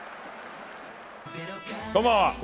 こんばんは。